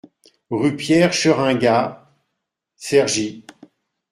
Rue Pierre Scheringa, Cergy